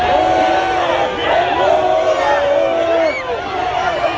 เฮียเฮียเฮีย